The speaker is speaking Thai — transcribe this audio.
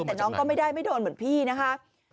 แต่น้องก็ไม่ได้ไม่โดนเหมือนพี่นะคะ